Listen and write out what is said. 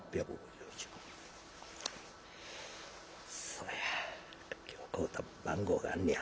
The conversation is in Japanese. そうや今日買うた番号があんねや。